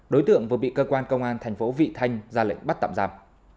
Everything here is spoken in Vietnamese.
đối tượng vừa bị cơ quan công an thành phố vị thanh ra lệnh bắt tạm giam